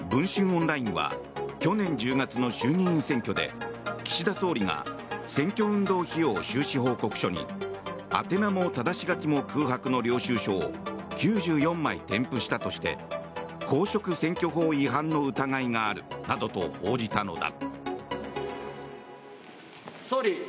オンラインは去年１０月の衆議院選挙で岸田総理が選挙運動費用収支報告書に宛名もただし書きも空白の領収書を９４枚添付したとして公職選挙法違反の疑いがあるなどと報じたのだ。